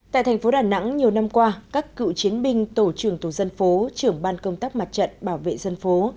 tại thành phố đà nẵng nhiều năm qua các cựu chiến binh tổ trưởng tổ dân phố trưởng ban công tác mặt trận bảo vệ dân phố